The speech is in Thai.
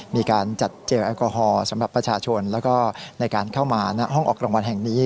มีการจัดเจลแอลกอฮอล์สำหรับประชาชนแล้วก็ในการเข้ามาณห้องออกรางวัลแห่งนี้